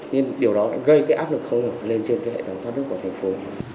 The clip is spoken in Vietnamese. nhưng điều đó gây cái áp lực không được lên trên cái hệ thống thoát nước của thành phố